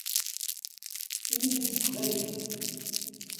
Ini-t-id s teqbaylit!